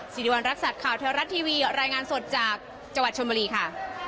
สิริวัณรักษัตริย์ข่าวเทวรัฐทีวีรายงานสดจากจังหวัดชนบุรีค่ะ